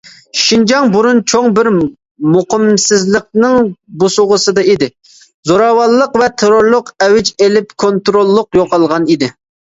شىنجاڭ بۇرۇن چوڭ بىر مۇقىمسىزلىقنىڭ بوسۇغىسىدا ئىدى، زوراۋانلىق ۋە تېررورلۇق ئەۋج ئېلىپ كونتروللۇق يوقالغان ئىدى.